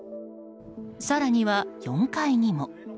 更には、４階にも。